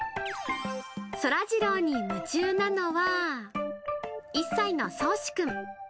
そらジローに夢中なのは、１歳のそうしくん。